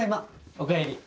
おかえり。